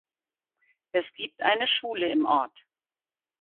Es gibt eine Schule im Ort.